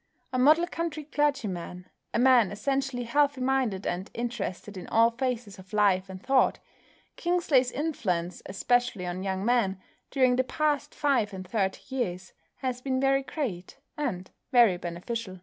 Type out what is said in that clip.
A model country clergyman, a man essentially healthy minded and interested in all phases of life and thought, Kingsley's influence, especially on young men, during the past five and thirty years, has been very great and very beneficial.